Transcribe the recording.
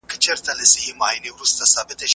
چي هر څو به ښکاري زرک وکړې ککړي